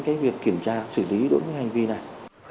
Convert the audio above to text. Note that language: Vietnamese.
cái việc kiểm tra xử lý đối với hành vi này